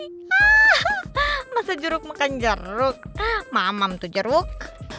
hah masa jeruk makan jeruk mamam tuh jeruk